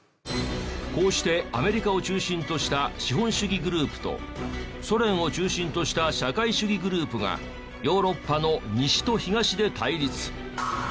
こうしてアメリカを中心とした資本主義グループとソ連を中心とした社会主義グループがヨーロッパの西と東で対立。